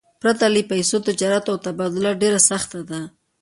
پرته له پیسو، تجارت او تبادله ډېره سخته ده.